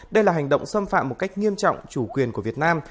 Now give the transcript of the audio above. đây là hành động xâm phạm một cách nghiêm trọng chủ quyền của việt nam